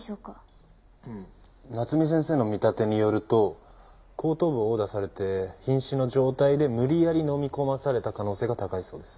ううん夏海先生の見立てによると後頭部を殴打されて瀕死の状態で無理やりのみ込まされた可能性が高いそうです。